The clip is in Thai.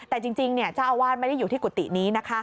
แต่จริงเจ้าอาวาสไม่ได้อยู่ที่กุฏินี้นะคะ